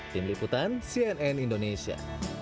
tim liputan cnn indonesia